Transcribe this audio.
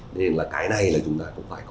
nên là cái này là chúng ta cũng phải